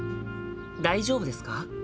「大丈夫ですか？」。